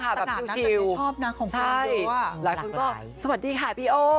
ตลาดนัทนะก็กับชอบน้ำของผมเดี๋ยวน่ะหลายคนก็สวัสดีค่ะปีโอ